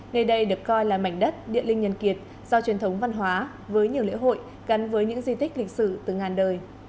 nơi đây được coi là mảnh đất địa linh nhân kiệt do truyền thống văn hóa với nhiều lễ hội gắn với những di tích lịch sử từ ngàn đời